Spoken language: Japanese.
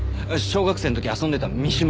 小学生の時遊んでた三島。